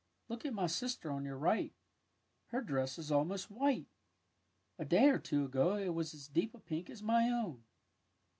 Look at my sister on your right. Her dress is almost white. A day or two ago it was as deep a pink as my own.